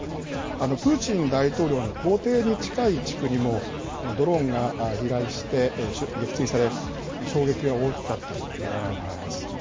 プーチン大統領の公邸に近い地区にも、ドローンが飛来して、撃墜され、衝撃が大きかったということがあります。